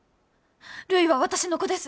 るいは私の子です。